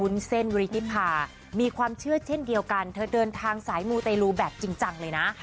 เส้นวิริธิภามีความเชื่อเช่นเดียวกันเธอเดินทางสายมูเตรลูแบบจริงจังเลยนะ